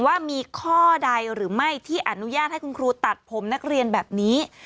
ว่ามีข้อใดหรือไม่ที่อนุญาตให้คุณครูตัดผมนักเรียนแบบนี้